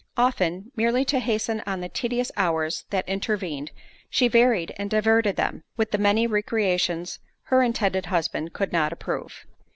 Often, merely to hasten on the tedious hours that intervened, she varied and diverted them, with the many recreations her intended husband could not approve.